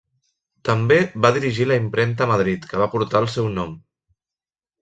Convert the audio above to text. També va dirigir la impremta a Madrid que va portar el seu nom.